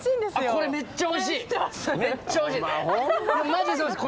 これめっちゃおいしいです。